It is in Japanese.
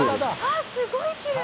あっすごいきれい！